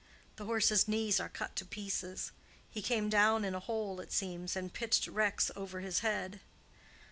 The horse's knees are cut to pieces. He came down in a hole, it seems, and pitched Rex over his head."